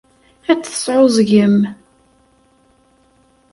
Ad tesɛuẓẓgem.